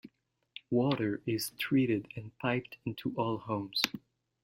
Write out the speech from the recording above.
Water is treated and piped into all homes.